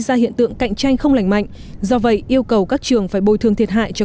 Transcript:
ra hiện tượng cạnh tranh không lành mạnh do vậy yêu cầu các trường phải bồi thương thiệt hại cho